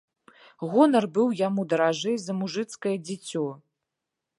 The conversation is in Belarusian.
Гонар быў яму даражэй за мужыцкае дзіцё.